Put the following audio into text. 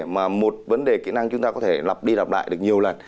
mà một vấn đề kỹ năng chúng ta có thể lặp đi lặp lại được nhiều lần